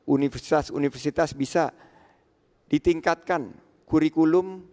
universitas universitas bisa ditingkatkan kurikulum